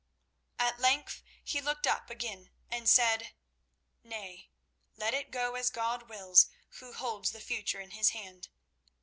At length he looked up again and said: "Nay, let it go as God wills Who holds the future in His hand.